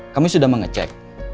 kami sudah mengecek